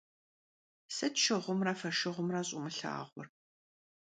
Sıt şşığumre foşşığumre ş'umılhağur?